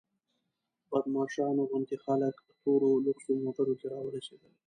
بدماشانو غوندې خلک تورو لوکسو موټرو کې راورسېدل.